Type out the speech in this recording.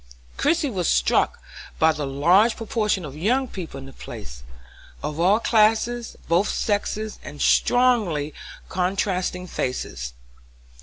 Christie was struck by the large proportion of young people in the place, of all classes, both sexes, and strongly contrasting faces.